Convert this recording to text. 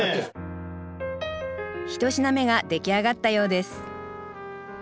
一品目が出来上がったようです